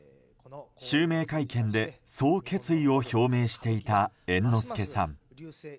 襲名会見で、そう決意を表明していた猿之助さん。